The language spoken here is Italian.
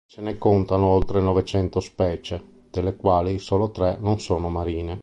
Se ne contano oltre novecento specie, delle quali solo tre non sono marine.